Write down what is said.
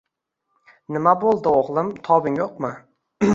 - Nima bo'ldi o'g'lim, tobing yo'qmi?